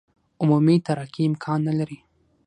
عمومي ترقي امکان نه لري.